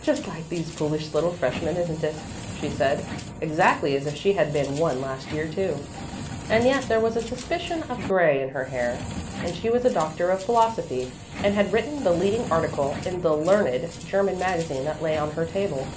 "Just like these foolish little freshmen; isn't it?" she said, exactly as if she had been one last year too. And yet there was a suspicion of gray in her hair, and she was a doctor of philosophy and had written the leading article in the learned German magazine that lay on her table.